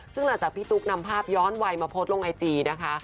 ซึ่งหลังจากพี่ตุ๊กนำภาพย้อนวัยมาโพสต์ลงไอจีนะคะ